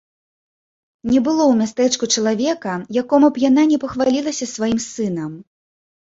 Не было ў мястэчку чалавека, якому б яна не пахвалілася сваім сынам.